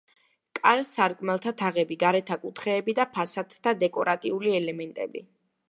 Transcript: კარ-სარკმელთა თაღები, გარეთა კუთხეები და ფასადთა დეკორატიული ელემენტები.